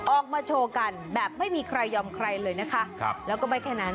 ออกมาโชว์กันแบบไม่มีใครยอมใครเลยนะคะแล้วก็ไม่แค่นั้น